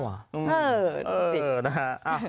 เออเออนะฮะ